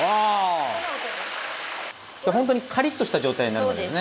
ほんとにカリッとした状態になるんですよね。